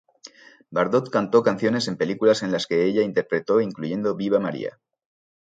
BardoT cantó canciones en películas en las que ella interpretó, incluyendo "¡Viva, María!